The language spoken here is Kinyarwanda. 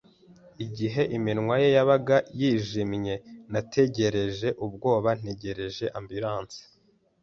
Igihe iminwa ye yabaga yijimye, nategereje ubwoba ntegereje ambulance.